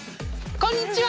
こんにちは！